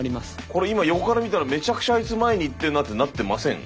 これ今横から見たらめちゃくちゃあいつ前にいってんなってなってません？